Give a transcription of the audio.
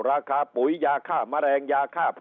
ราคาปุ๋ยยาข้าวแมลงยาข้าว